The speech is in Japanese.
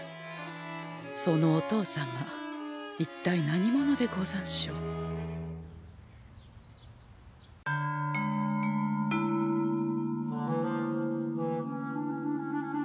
そのお父様一体何者でござんしょう？はあ。